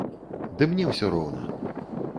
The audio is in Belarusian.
Ды мне ўсё роўна.